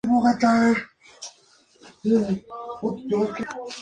La simplicidad es un elemento central de la cocina toscana.